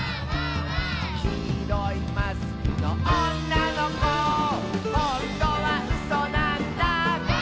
「きいろいマスクのおんなのこ」「ほんとはうそなんだ」